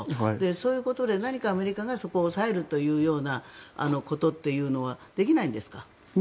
そういうことで何かアメリカがそこを抑えるということはできないんですか。